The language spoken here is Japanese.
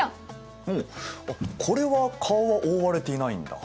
おおこれは顔は覆われていないんだ。